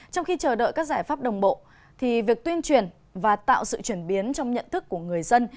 trong khi chờ đợi các giải pháp đồng bộ thì việc tuyên truyền và tạo sự chuyển biến trong nhận thức của người dân